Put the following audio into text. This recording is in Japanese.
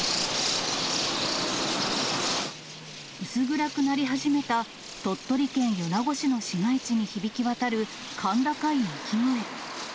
薄暗くなり始めた鳥取県米子市の市街地に響き渡る甲高い鳴き声。